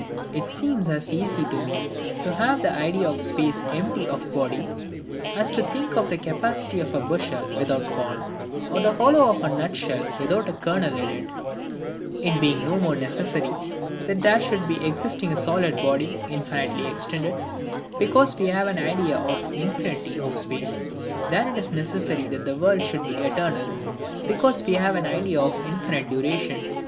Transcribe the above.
It seems as easy to me to have the idea of space empty of body, as to think of the capacity of a bushel without corn, or the hollow of a nut shell without a kernel in it: it being no more necessary that there should be existing a solid body, infinitely extended, because we have an idea of the infinity of space, than it is necessary that the world should be eternal, because we have an idea of infinite duration.